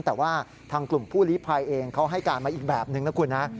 แต่ว่าทางกลุ่มผู้ลิภัยเองเขาให้การมาอีกแบบนึงนะคุณนะ